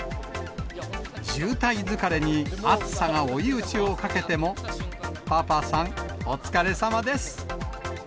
渋滞疲れに暑さが追い打ちをかけても、パパさん、お疲れさまです。